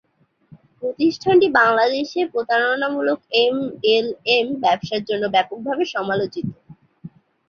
প্রতিষ্ঠানটি বাংলাদেশে প্রতারণামূলক এমএলএম ব্যবসার জন্য ব্যপকভাবে সমালোচিত।